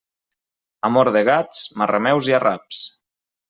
Amor de gats, marrameus i arraps.